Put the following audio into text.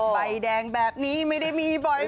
ใบแดงแบบนี้ไม่ได้มีบ่อย